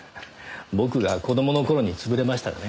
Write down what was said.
僕が子供の頃に潰れましたがね。